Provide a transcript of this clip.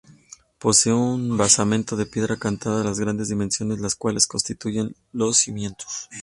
Posee un basamento de piedra cantada de grandes dimensiones, las cuales constituyen los cimientos.